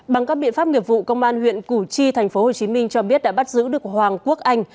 bằng các biện pháp nghiệp vụ công an huyện củ chi tp hcm cho biết đã bắt giữ được hoàng quốc anh